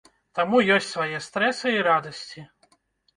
Таму ёсць свае стрэсы, і радасці.